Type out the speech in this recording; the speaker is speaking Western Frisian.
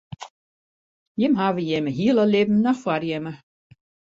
Jimme hawwe jimme hiele libben noch foar jimme.